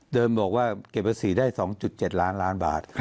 เดิมบอกว่าเก็บภาษีได้๒๗ล้านบาท